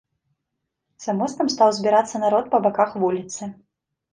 За мостам стаў збірацца народ па баках вуліцы.